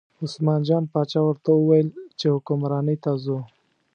عثمان جان باچا ورته وویل چې حکمرانۍ ته ځو.